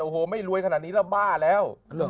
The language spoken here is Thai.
โอ้โหไม่รวยขนาดนี้แล้วบ้าแล้ว